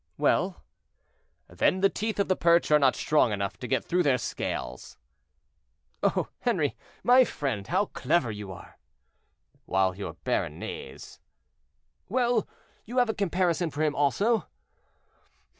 "Well!" "Then the teeth of the perch are not strong enough to get through their scales." "Oh! Henri! my friend, how clever you are!" "While your Béarnais—" "Well, have you a comparison for him also?"